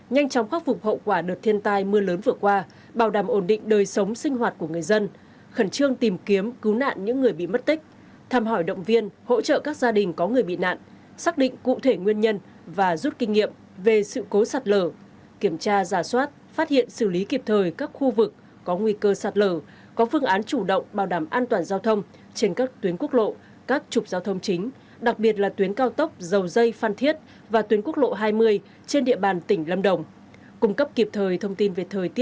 để khắc phục hậu quả bảo đảm ổn định đời sống sinh hoạt của người dân khẩn trương tìm kiếm cứu nạn những người bị mất tích tham hỏi động viên hỗ trợ các gia đình có người bị nạn xác định cụ thể nguyên nhân và rút kinh nghiệm về sự cố sát lờ kiểm tra giả soát phát hiện xử lý kịp thời các khu vực có nguy cơ sát lờ có phương án chủ động bảo đảm an toàn giao thông trên các tuyến quốc lộ các trục giao thông chính đặc biệt là tuyến cao tốc dầu dây phan thiết và tuyến quốc lộ hai mươi trên địa bàn t